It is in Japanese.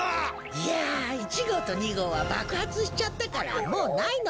いや１ごうと２ごうはばくはつしちゃったからもうないのだ。